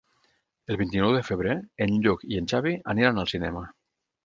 El vint-i-nou de febrer en Lluc i en Xavi aniran al cinema.